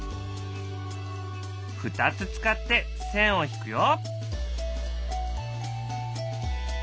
２つ使って線を引くよ。